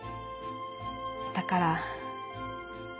だから。